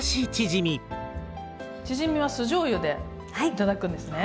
チヂミは酢じょうゆで頂くんですね。